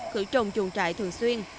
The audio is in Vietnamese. khử trùng chuồng trại thường xuyên